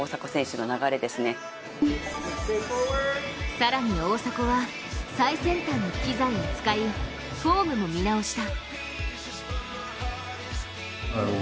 更に大迫は最先端の機材を使いフォームも見直した。